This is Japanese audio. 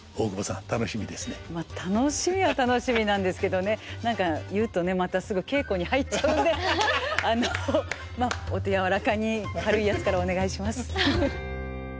まあ楽しみは楽しみなんですけどね何か言うとねまたすぐ稽古に入っちゃうんであのまあお手柔らかに軽いやつからお願いします。